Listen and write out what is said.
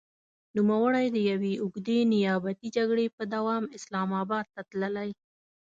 نوموړی د يوې اوږدې نيابتي جګړې په دوام اسلام اباد ته تللی.